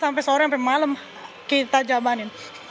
sampai sore sampai malam kita jamanin